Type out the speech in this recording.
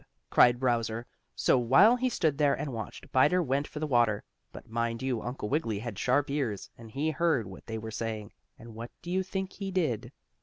cried Browser. So while he stood there and watched, Biter went for the water. But, mind you, Uncle Wiggily had sharp ears and he heard what they were saying, and what do you think he did?